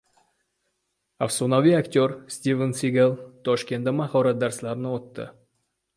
Afsonaviy aktyor Stiven Sigal Toshkentda mahorat darslarini o‘tadi